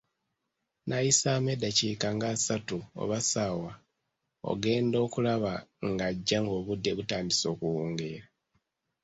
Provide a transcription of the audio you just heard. Nayisaamu eddakiika ng'asatu oba ssaawa, ogenda okulaba ng'ajja ng'obudde butandise okuwungeera.